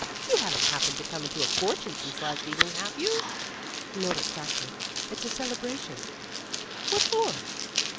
You haven't happened to come into a fortune since last evening, have you!" "Not exactly. It's a celebration." "What for?"